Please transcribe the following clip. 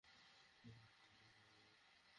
আমার মাথা ঠান্ডা হবে না।